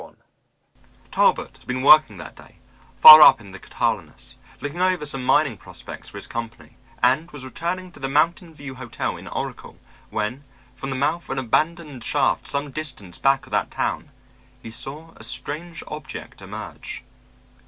] Talbot had been working that day, far up in the Catalinas, looking over some mining prospects for his company, and was returning to the Mountain View Hotel in Oracle when, from the mouth of an abandoned shaft some distance back of that town, he saw a strange object emerge.